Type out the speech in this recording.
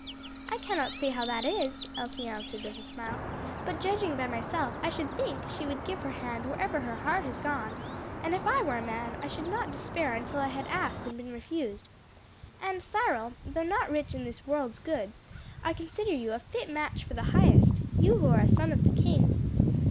"I cannot say how that is," Elsie answered with a smile, "but judging by myself I should think she would give her hand wherever her heart has gone; and if I were a man I should not despair until I had asked and been refused. And, Cyril, though not rich in this world's goods, I consider you a fit match for the highest you who are a son of the King."